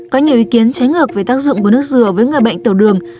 có nhiều ý kiến trái ngược về tác dụng của nước dừa với người bệnh tiểu đường